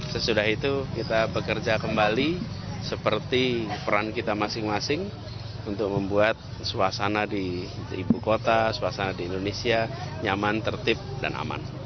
sesudah itu kita bekerja kembali seperti peran kita masing masing untuk membuat suasana di ibu kota suasana di indonesia nyaman tertib dan aman